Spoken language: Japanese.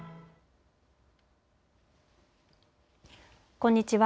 こんにちは。